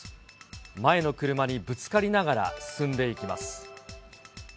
前の車にぶつかりながら進んでいきます。